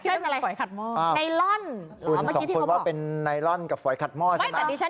ของแล้วคุณชอบคุณก้าวเป็นไนรอนหล้อกับสวยขัดมออยู่อย่าง